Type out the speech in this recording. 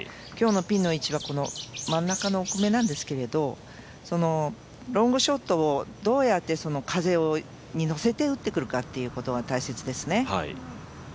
今日のピンの位置は真ん中の奥目なんですけれども、ロングショットをどうやって、風に乗せて打ってくるかっていうことが大切ですね。